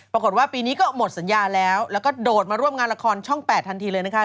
ปรากฏว่าปีนี้ก็หมดสัญญาแล้วแล้วก็โดดมาร่วมงานละครช่อง๘ทันทีเลยนะคะ